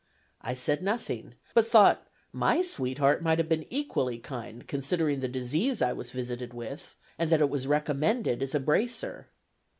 I said nothing, but thought my sweetheart might have been equally kind, considering the disease I was visited with, and that it was recommended as a bracer.